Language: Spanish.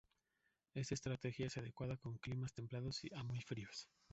Esta estrategia es adecuada en climas templados a muy fríos.